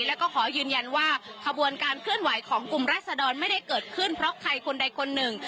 แล้วก็ขอยืนยันว่าขบวนการเคลื่อนไหวของกลุ่มรัศดรไม่ได้เกิดขึ้นเพราะใครคนใดคนหนึ่ง